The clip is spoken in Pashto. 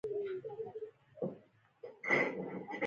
انساني سر کوپړۍ کتار ایښې وې.